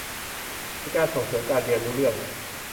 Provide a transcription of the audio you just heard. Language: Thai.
ในการส่งเสริมการเรียนรู้เรื่อง